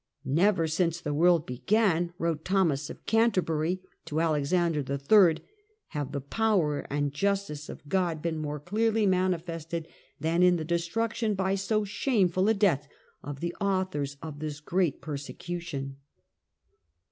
" Never since the world began," wrote Thomas of Canterbury to Alex ander III., "have the power and justice of God been more clearly manifested than in the destruction by so shameful a death of the authors of this great persecu tion."